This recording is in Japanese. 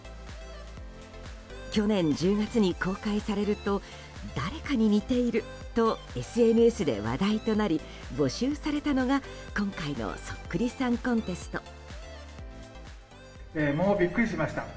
去年１０月に公開されると誰かに似ているとＳＮＳで話題となり募集されたのが今回のそっくりさんコンテスト。